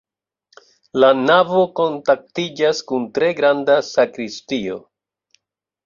La navo kontaktiĝas kun tre granda sakristio.